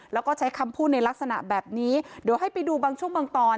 แล้วก็ใช้คำพูดในลักษณะแบบนี้เดี๋ยวให้ไปดูบางช่วงบางตอน